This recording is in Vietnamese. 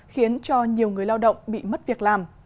khiến cho nhiều người lao động bị mất việc làm